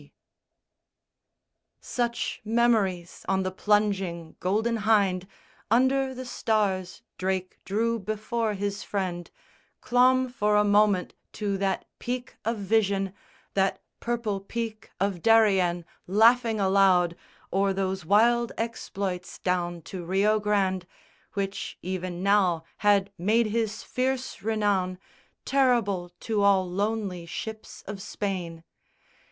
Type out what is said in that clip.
_ Such memories, on the plunging Golden Hynde, Under the stars, Drake drew before his friend, Clomb for a moment to that peak of vision, That purple peak of Darien, laughing aloud O'er those wild exploits down to Rio Grande Which even now had made his fierce renown Terrible to all lonely ships of Spain.